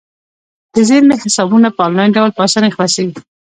د زیرمې حسابونه په انلاین ډول په اسانۍ خلاصیږي.